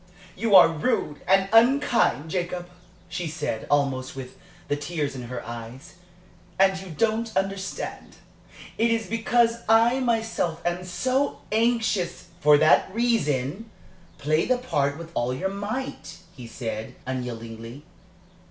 "You are rude and unkind, Jacob," she said, almost with the tears in her eyes. "And you don't understand it is because I myself am so anxious " "For that reason, play the part with all your might," he said, unyieldingly.